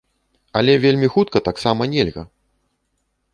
Але вельмі хутка таксама нельга.